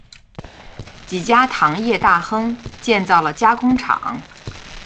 几家糖业大亨建造了加工厂。